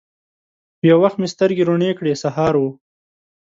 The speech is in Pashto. یو وخت مې سترګي روڼې کړې ! سهار و